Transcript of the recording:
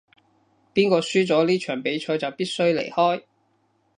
邊個輸咗呢場比賽就必須離開